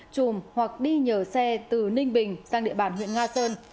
chùm hoặc đi nhờ xe từ ninh bình sang địa bàn huyện nga sơn